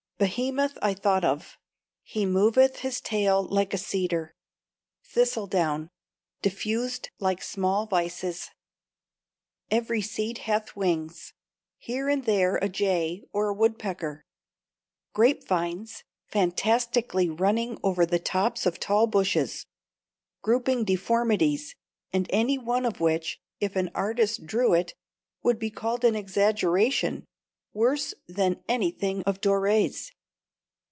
Behemoth I thought of. "He moveth his tail like a cedar.' Thistle down. Diffused like small vices. Every seed hath wings. Here and there a jay, or a woodpecker. Grape vines, fantastically running over the tops of tall bushes, grouping deformities, any one of which, if an artist drew it, would be called an exaggeration, worse than anything of Doré's.